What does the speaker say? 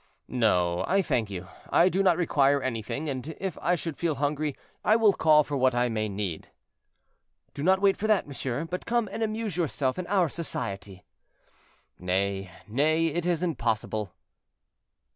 "No, I thank you, I do not require anything; and, if I should feel hungry, I will call for what I may need." "Do not wait for that, monsieur; but come and amuse yourself in our society." "Nay, nay, it is impossible."